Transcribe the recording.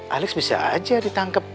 alex bisa aja ditangkep